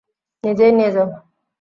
নিজেই নিয়ে যাও।